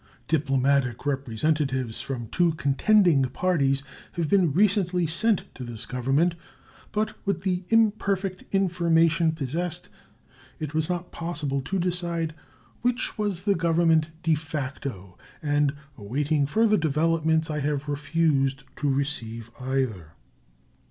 Diplomatic representatives from two contending parties have been recently sent to this Government, but with the imperfect information possessed it was not possible to decide which was the Government de facto, and, awaiting further developments, I have refused to receive either.